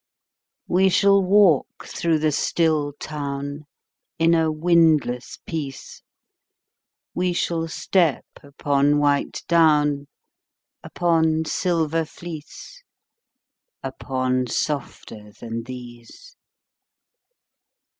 We shall walk through the still town In a windless peace; We shall step upon white down, Upon silver fleece, Upon softer than these.